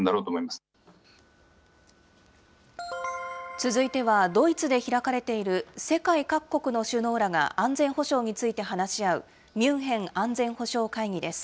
続いてはドイツで開かれている世界各国の首脳らが安全保障について話し合うミュンヘン安全保障会議です。